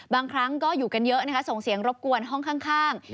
บางครั้งก็อยู่กันเยอะนะคะส่งเสียงรบกวนห้องข้าง